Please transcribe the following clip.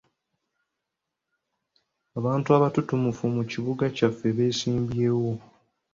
Abantu abatutumufu mu kibuga kyaffe beesimbyewo.